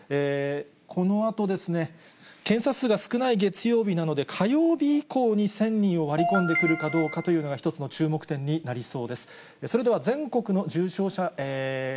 このあと、検査数が少ない月曜日なので、火曜日以降に１０００人を割り込んでくるかどうかというのが、一つの注目点になりそうです。